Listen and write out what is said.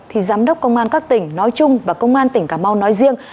thì giám đốc công an các tỉnh nói chung và công an tỉnh cà mau nói riêng